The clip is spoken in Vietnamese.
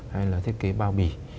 hay là thiết kế bao bì